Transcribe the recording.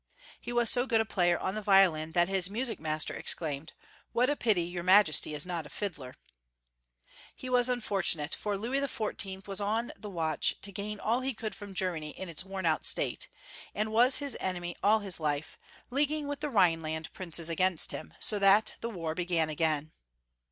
He was so good a player on the violin tliat hia music master exclaimed — "Wliat a pity your majesty is not a fiddler!" ^le was unfortunate, for Louis XIV. was on the watch to gain all lie could from Gennany in its wornnaut state, and was his enemy all his life. 360 Young Folks' History of Germany, leaguing with the Rhineland princes against him, BO that the war began again.